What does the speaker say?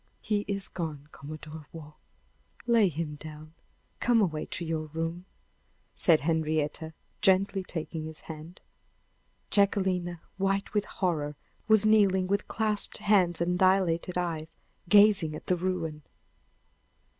"He is gone, Commodore Waugh; lay him down; come away to your room," said Henrietta, gently taking his hand. Jacquelina, white with horror, was kneeling with clasped hands and dilated eyes, gazing at the ruin.